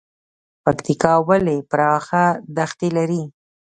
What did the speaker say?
پکتیکا ولې پراخه دښتې لري؟